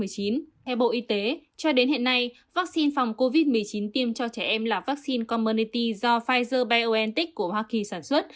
theo bộ y tế cho đến hiện nay vaccine phòng covid một mươi chín tiêm cho trẻ em là vaccine commerty do pfizer biontech của hoa kỳ sản xuất